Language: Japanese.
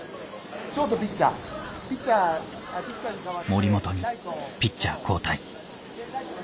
森本にピッチャー交代。